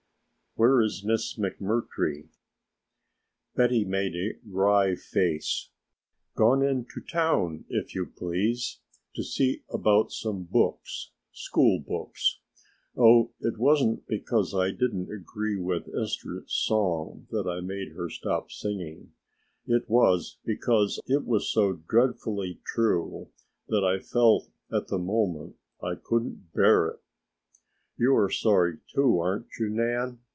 "Where is Miss McMurtry?" Betty made a wry face. "Gone into town, if you please, to see about some books school books. Oh, it wasn't because I didn't agree with Esther's song that I made her stop singing, it was because it was so dreadfully true that I felt at the moment I couldn't bear it. You are sorry too, aren't you, Nan?"